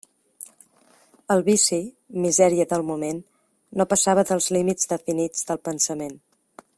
El vici —misèria del moment— no passava dels límits definits del pensament.